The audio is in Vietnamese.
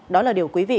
đó là điều quý vị nhớ